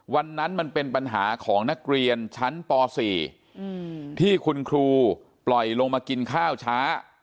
มันเป็นปัญหาของนักเรียนชั้นป๔ที่คุณครูปล่อยลงมากินข้าวช้า